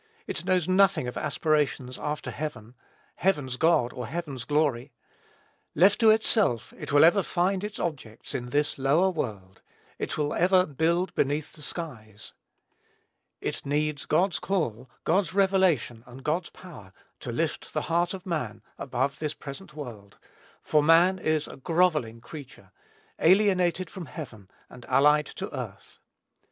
It knows nothing of aspirations after heaven, heaven's God, or heaven's glory. Left to itself, it will ever find its objects in this lower world; it will ever "build beneath the skies." It needs God's call, God's revelation, and God's power, to lift the heart of man above this present world, for man is a grovelling creature, alienated from heaven, and allied to earth.